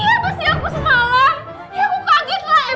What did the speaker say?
ini apa sih aku semalam